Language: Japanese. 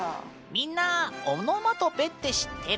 みんなオノマトペって知ってる？